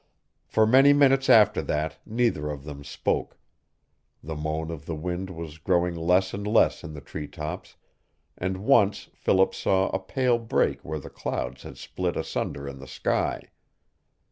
For many minutes after that neither of them spoke. The moan of the wind was growing less and less in the treetops, and once Philip saw a pale break where the clouds had split asunder in the sky.